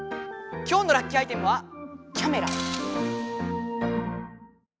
きょうのラッキーアイテムはキャメラ！